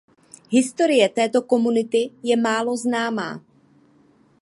Historie této komunity je málo známá.